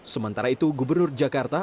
sementara itu gubernur jakarta